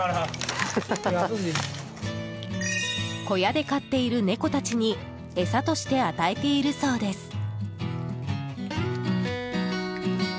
小屋で飼っている猫たちに餌として与えているそうです。